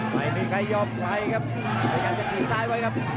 ไม่มีใครยอมใครครับพยายามจะถีบซ้ายไว้ครับ